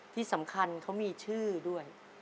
ที่สำคัญเขามีชื่อด้วย